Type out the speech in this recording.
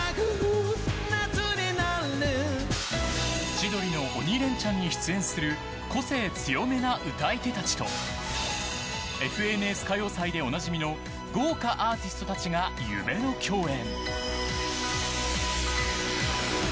「千鳥の鬼レンチャン」に出演する個性強めな歌い手たちと「ＦＮＳ歌謡祭」でおなじみの豪華出演者たちが共演。